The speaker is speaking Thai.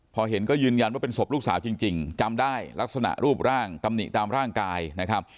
พอเห็นก็ยืนยันว่าเป็นศพลูกสาวจริงจำได้ลักษณะรูปร่างตำหนิตามร่างกายนะครับ